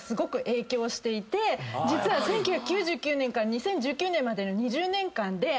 実は１９９９年から２０１９年までの。